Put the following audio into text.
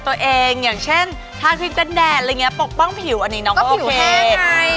ตัวเองอย่างเช่นถ้าคริมเป็นแดดอะไรเงี้ยปกป้องผิวอันนี้น้องก็เท่ไง